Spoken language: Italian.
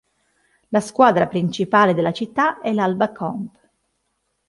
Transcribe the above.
La squadra principale della città è l'Albacomp.